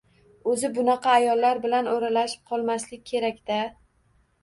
O`zi bunaqa ayollar bilan o`ralashib qolmaslik kerak-da